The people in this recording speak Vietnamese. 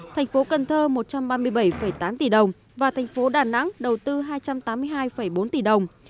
thành phố cần thơ một trăm ba mươi bảy tám tỷ đồng và thành phố đà nẵng đầu tư hai trăm tám mươi hai bốn tỷ đồng